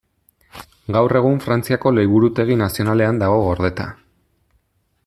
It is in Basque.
Gaur egun Frantziako Liburutegi Nazionalean dago gordeta.